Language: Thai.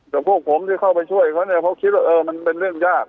แต่พวกผมที่เข้าไปช่วยเขาเนี่ยเขาคิดว่าเออมันเป็นเรื่องยาก